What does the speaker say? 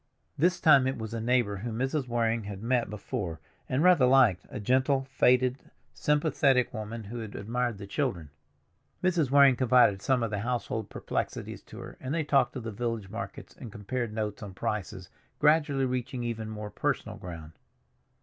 This time it was a neighbor whom Mrs. Waring had met before and rather liked, a gentle, faded, sympathetic woman who had admired the children. Mrs. Waring confided some of the household perplexities to her, and they talked of the village markets and compared notes on prices, gradually reaching even more personal ground.